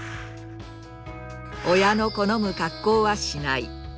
親の好む格好はしない。